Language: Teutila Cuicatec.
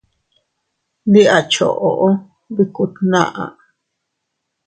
Ndi a choʼo bikku tnaʼa.